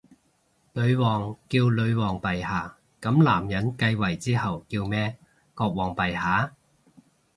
女王叫女皇陛下，噉男人繼位之後叫咩？國王陛下？